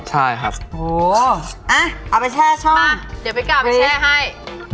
ใช่ครับโอ้เอาไปแช่ช่องฟิตมาเดี๋ยวพี่แก่ออกไปแช่ให้